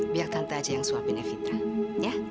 biar tante aja yang suapin evita ya